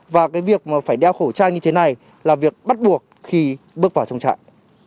và cái việc mà phải đeo khẩu trang như thế này là việc bắt buộc khi bước vào trong trại